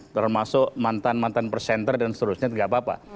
termasuk mantan mantan presenter dan seterusnya tidak apa apa